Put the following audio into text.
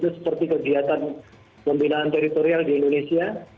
itu seperti kegiatan pembinaan teritorial di indonesia